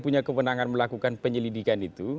punya kewenangan melakukan penyelidikan itu